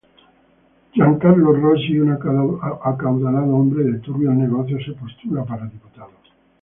Giancarlo Rosi, un acaudalado hombre de turbios negocios, se postula para diputado.